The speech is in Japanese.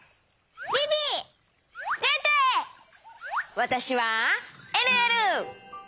わたしはえるえる！